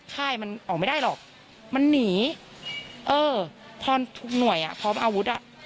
ค่ายมันออกไม่ได้หรอกมันหนีเออพอทุกหน่วยอ่ะพร้อมอาวุธอ่ะ